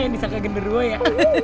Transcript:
nisah kegen beruah ya